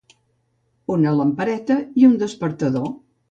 Una lampareta i un despertador.